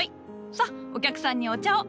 さお客さんにお茶を！